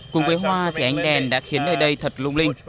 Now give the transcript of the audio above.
cùng với hoa thì ánh đèn đã khiến nơi đây thật lung linh